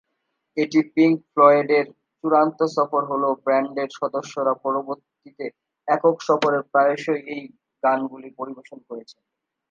এটি পিংক ফ্লয়েডের চূড়ান্ত সফর হলেও, ব্যান্ডের সদস্যরা পরবর্তীতে একক সফরে প্রায়শই এর গানগুলি পরিবেশন করছেন।